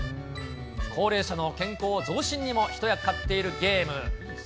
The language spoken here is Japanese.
高齢者の健康増進にも一役買っているゲーム。